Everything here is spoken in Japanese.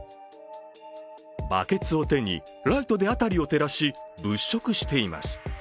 バケツを手に、ライトで辺りを照らし、物色しています。